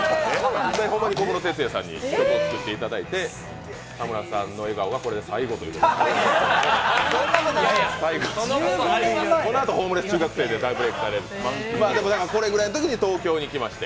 ホンマに小室哲哉さんに曲を作っていただいて田村さんの笑顔はこれで最後ということになりました。